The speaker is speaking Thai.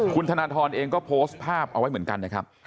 คุณธนทรเองก็โพสต์ภาพเอาไว้เหมือนกันนะครับ